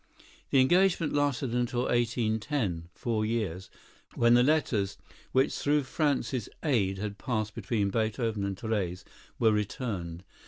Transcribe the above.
The engagement lasted until 1810, four years, when the letters, which through Franz's aid had passed between Beethoven and Therese, were returned.